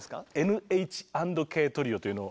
「ＮＨ＆ＫＴＲＩＯ」というのを。